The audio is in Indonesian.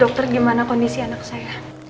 dokter gimana kondisi anak saya